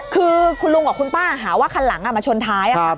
คือคุณลุงกับคุณป้าหาว่าคันหลังมาชนท้าย